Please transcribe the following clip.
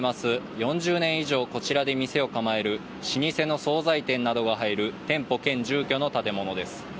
４０年以上こちらで店を構える老舗の総菜店などが入る店舗兼住居の建物です。